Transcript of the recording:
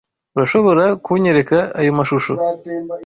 Urashobora kunyereka ayo mashusho?